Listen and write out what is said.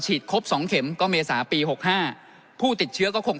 ฉีดคบสองเข็มก็เมษปีหกห้าผู้ติดเชื้อแล้วคง